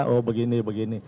oh begini begini